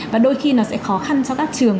và đôi khi nó sẽ khó khăn cho các trường